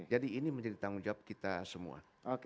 jadi ini menjadi tanggung jawab kita semua